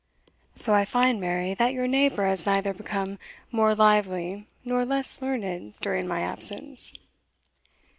"So I find, Mary, that your neighbour has neither become more lively nor less learned during my absence."